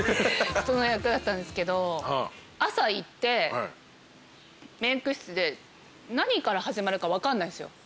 役だったんですけど朝行ってメーク室で何から始まるか分かんないんですよ。